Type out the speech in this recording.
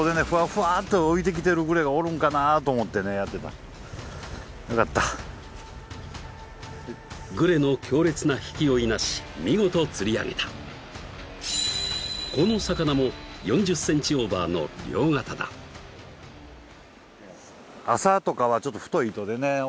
フワフワっと浮いてきてるグレがおるんかなぁと思ってねやってたよかったグレの強烈な引きをいなし見事釣り上げたこの魚も４０ｃｍオーバーの良型だ朝とかはちょっと太いイトでね